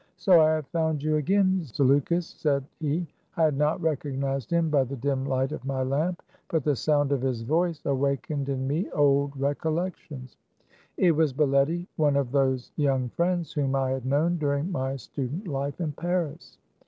"So I have found you again, Zaleukos," said he. I had not recognized him by the dim light of my lamp ; but the sound of his voice awakened in me old recollections. It was Baletty, one of those young friends whom I had known during my student life in Paris.